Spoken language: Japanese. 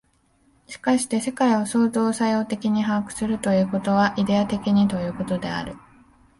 しかして世界を創造作用的に把握するということは、イデヤ的にということである。